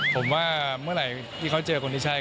ผมว่าเมื่อไหร่ที่เขาเจอคนที่ใช่